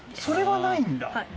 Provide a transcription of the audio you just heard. それはないんだ。